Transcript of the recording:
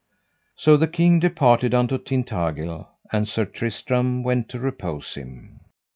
So the king departed unto Tintagil, and Sir Tristram went to repose him.